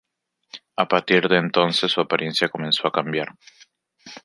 A partir de entonces, su apariencia comenzó a cambiar.